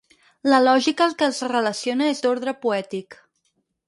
La lògica que els relaciona és d'ordre poètic.